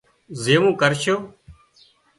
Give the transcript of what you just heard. زيوون ڪرشو